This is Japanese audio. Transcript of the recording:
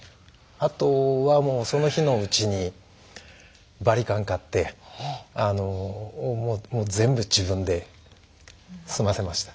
あとはもうその日のうちにバリカン買ってもう全部自分で済ませました。